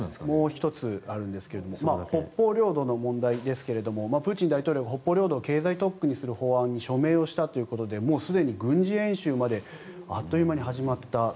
もう１つあるですが北方領土の問題ですがプーチン大統領は北方領土を経済特区にする法案に署名したということですでに軍事演習まであっという間に始まった。